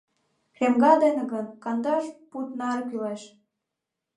Кремга дене гын, кандаш пуд наре кӱлеш.